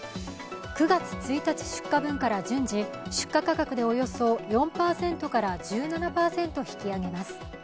９月１日出荷分から順次出荷価格でおよそ４％から１７％引き上げます。